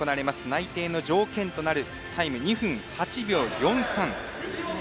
内定の条件となるタイム２分８秒４３。